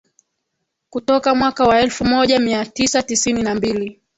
Kutoka mwaka wa elfu moja mia tisa tisini na mbili